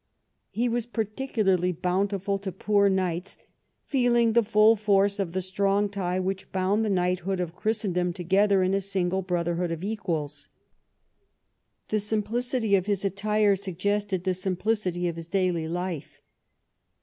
He was particularly bountiful to poor knights, feeling the full force of the strong tie which bound the knighthood of Christendom together in a single brother hood of equals. The simplicity of his attire suggested the simplicity of his daily life.